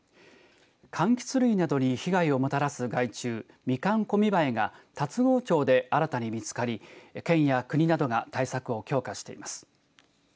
かんきつ類などに被害をもたらす害虫ミカンコミバエが龍郷町で新たに見つかり、県や国などが対策を強化しています。